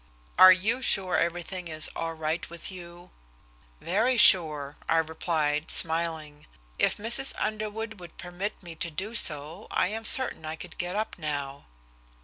"Are you sure everything is all right with you?" "Very sure," I replied, smiling. "If Mrs. Underwood would permit me to do so, I am certain I could get up now."